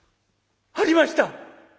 「ありました！」。